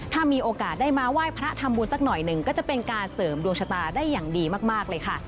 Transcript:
ถ้ามีโอกาสได้มาไหว้พระทำบุญสักหน่อยหนึ่งก็จะเป็นการเสริมดวงชะตาได้อย่างดีมากเลยค่ะ